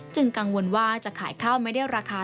กังวลว่าจะขายข้าวไม่ได้ราคา